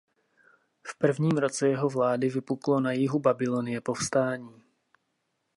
V prvním roce jeho vlády vypuklo na jihu Babylonie povstání.